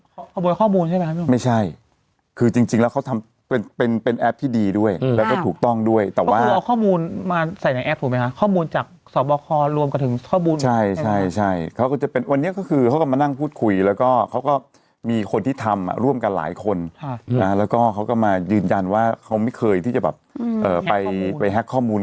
เขาขโมยข้อมูลใช่ไหมไม่ใช่คือจริงจริงแล้วเขาทำเป็นเป็นแอปที่ดีด้วยแล้วก็ถูกต้องด้วยแต่ว่าเอาข้อมูลมาใส่ในแอปถูกไหมคะข้อมูลจากสอบคอรวมกันถึงข้อมูลใช่ใช่เขาก็จะเป็นวันนี้ก็คือเขาก็มานั่งพูดคุยแล้วก็เขาก็มีคนที่ทำอ่ะร่วมกันหลายคนค่ะนะแล้วก็เขาก็มายืนยันว่าเขาไม่เคยที่จะแบบเอ่อไปไปแฮ็กข้อมูล